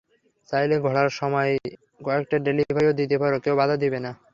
চাইলে ঘোরার সময় কয়েকটা ডেলিভারিও দিতে পারো, কেউ বাধা দিবে না।